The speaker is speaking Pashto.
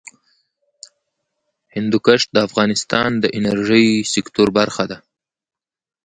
هندوکش د افغانستان د انرژۍ سکتور برخه ده.